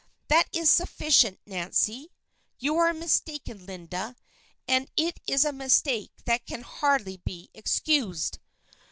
"That is sufficient, Nancy. You are mistaken, Linda. And it is a mistake that can hardly be excused."